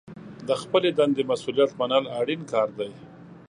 د خپلې دندې مسوولیت منل اړین کار دی.